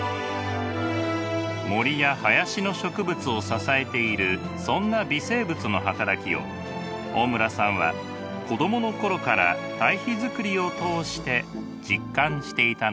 森や林の植物を支えているそんな微生物の働きを大村さんは子供の頃から堆肥作りを通して実感していたのです。